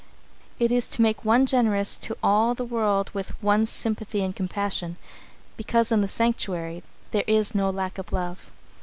It is to make one generous to all the world with one's sympathy and compassion, because in the sanctuary there is no lack of love.